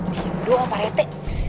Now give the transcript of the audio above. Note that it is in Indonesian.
diam dong pak rete